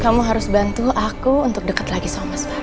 kamu harus bantu aku untuk deket lagi sama mas faruq